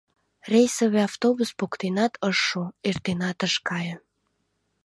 Рейсовый автобус поктенат ыш шу, эртенат ыш кае.